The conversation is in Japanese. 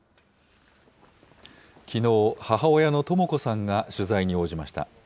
きのう、母親のとも子さんが取材に応じました。